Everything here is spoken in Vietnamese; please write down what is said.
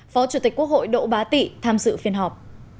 phó chủ tịch quốc hội đỗ bá tị tham dự phiên họp